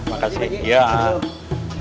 pakcik selamat tidur